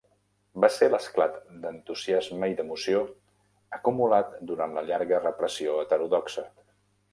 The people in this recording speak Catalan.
Va ser l'esclat d'entusiasme i d'emoció acumulat durant la llarga repressió heterodoxa.